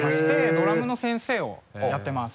ドラムの先生をやってます。